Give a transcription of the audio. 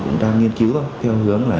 cũng đang nghiên cứu theo hướng là